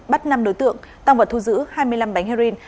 bắt năm đối tượng tăng vật thu giữ hai mươi năm bánh heroin